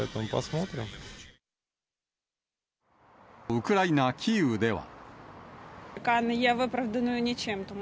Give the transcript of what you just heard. ウクライナ・キーウでは。